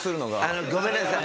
あのごめんなさい。